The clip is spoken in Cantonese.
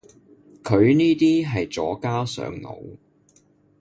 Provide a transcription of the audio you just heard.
佢呢啲係左膠上腦